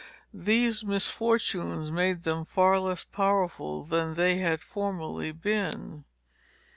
These misfortunes made them far less powerful than they had formerly been.